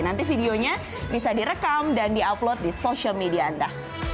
nanti videonya bisa direkam dan di upload di social media anda